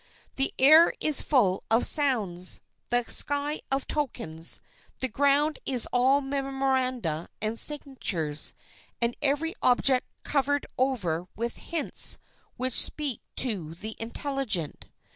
The air is full of sounds, the sky of tokens; the ground is all memoranda and signatures, and every object covered over with hints which speak to the intelligent.